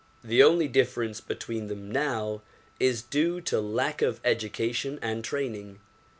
The only difference between them now is due to lack of education and training.